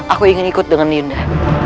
aku ingin ikut dengan yuda